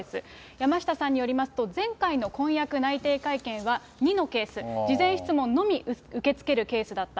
山下さんによりますと、前回の婚約内定会見は２のケース、事前質問のみ受け付けるケースだった。